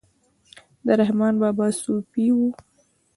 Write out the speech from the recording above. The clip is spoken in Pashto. رحمان بابا صوفي و